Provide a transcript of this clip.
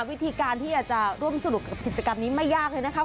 วิธีการที่จะร่วมสรุปกับกับกิจกรรมนี้ไม่ยากเลยนะครับ